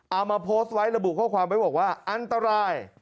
เอามาโพสต์ไว้ระบุข้อความไว้บอกว่าอันตราย